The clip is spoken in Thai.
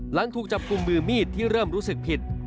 หลังถูกจับกลุ่มมือมีดที่เริ่มรู้สึกผิด